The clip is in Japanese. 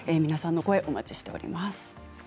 皆さんの声をお待ちしています。